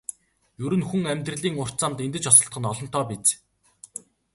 Ер нь хүн амьдралын урт замд эндэж осолдох нь олонтоо биз.